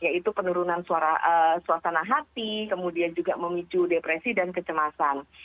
yaitu penurunan suasana hati kemudian juga memicu depresi dan kecemasan